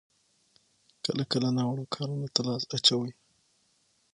کله کله ناوړه کارونو ته لاس اچوي.